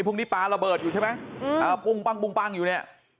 พวกนี้ปลาระเบิดอยู่ใช่ไหมปุ้งปั้งอยู่เนี่ย